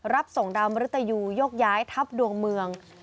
รับส่งดาวมริตยูยกย้ายทัพดวงเมือง